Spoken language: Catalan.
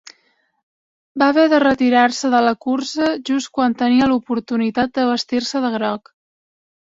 Va haver de retirar-se de la cursa just quan tenia l'oportunitat de vestir-se de groc.